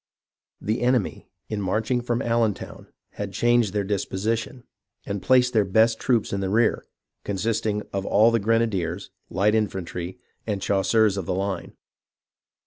The enemy, in marching from AUentown, had changed their disposition, and placed their best troops in the rear ; consisting of all the grenadiers, light infantry, and chasseurs of the line.